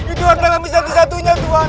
itu adalah kami satu satunya tuhan